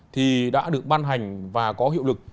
thì đã được ban hành và có hiệu lực